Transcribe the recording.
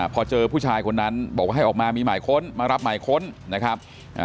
พอเจอผู้ชายคนนั้นบอกว่าให้ออกมามีหมายค้นมารับหมายค้นนะครับ